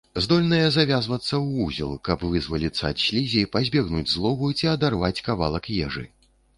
Здольныя завязвацца ў вузел, каб вызваліцца ад слізі, пазбегнуць злову, ці адарваць кавалак ежы.